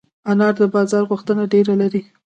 انار د بازار غوښتنه ډېره لري.